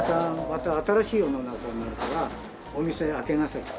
また新しい世の中になるからお店開けなさい」と。